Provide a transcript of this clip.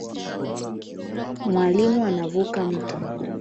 Mwalimu anavuka mto